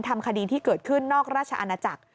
ทำคดีที่เกิดขึ้นนอกราชอาณาจักร